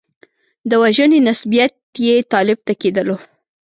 د وژنې نسبیت یې طالب ته کېدلو.